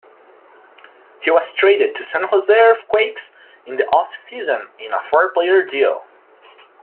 He was traded to San Jose Earthquakes in the off-season in a four-player deal.